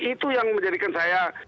itu yang menjadikan saya